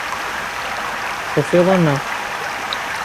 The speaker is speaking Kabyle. Tufiḍ-aneɣ-d.